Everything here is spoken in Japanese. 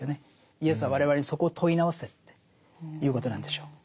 イエスは我々にそこを問い直せっていうことなんでしょう。